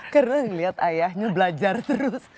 karena ngelihat ayahnya belajar terus